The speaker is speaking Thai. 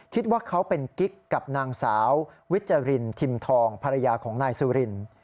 คิดว่าเขาเป็นกิ๊กกับนางสาววิจารินทิมทองภรรยาของนายสุริน